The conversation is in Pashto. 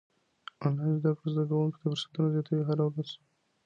انلاين زده کړه زده کوونکو ته فرصتونه زياتوي هره ورځ.